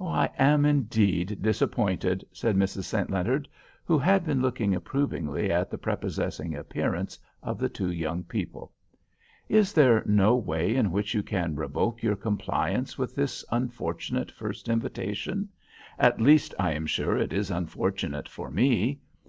"I am indeed disappointed"—said Mrs. St. Leonard, who had been looking approvingly at the prepossessing appearance of the two young people. "Is there no way in which you can revoke your compliance with this unfortunate first invitation—at least, I am sure, it is unfortunate for me.